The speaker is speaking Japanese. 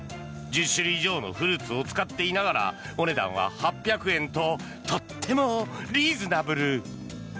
１０種類以上のフルーツを使っていながらお値段は８００円ととってもリーズナブル。